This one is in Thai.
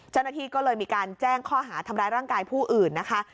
เจ้าหน้าที่ก็เลยมีการแจ้งข้อหาทำร้ายร่างกายผู้อื่นนะคะ